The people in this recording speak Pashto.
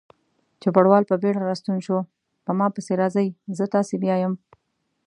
چوپړوال په بیړه راستون شو: په ما پسې راځئ، زه تاسې بیایم.